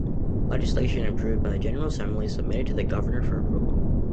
Legislation approved by the General Assembly is submitted to the Governor for approval.